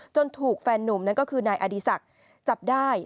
ถูกแฟนนุ่มนั่นก็คือนายอดีศักดิ์จับได้